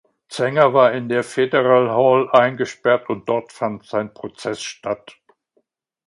Zenger war in der Federal Hall eingesperrt und dort fand sein Prozess statt.